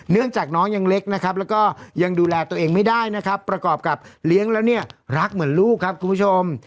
เนื่องจากน้องยังเล็กนะครับแล้วก็ยังดูแลตัวเองไม่ได้นะครับประกอบกับเลี้ยงแล้วเนี่ยรักเหมือนลูกครับคุณผู้ชม